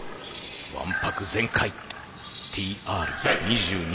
わんぱく全開ＴＲ２２。